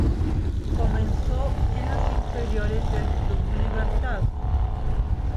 Comenzó en las inferiores del Club Libertad.